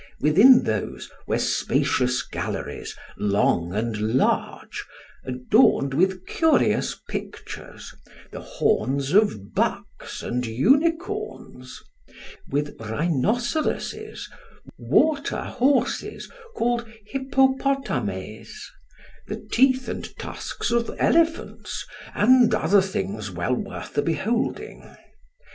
Within those were spacious galleries, long and large, adorned with curious pictures, the horns of bucks and unicorns: with rhinoceroses, water horses called hippopotames, the teeth and tusks of elephants, and other things well worth the beholding.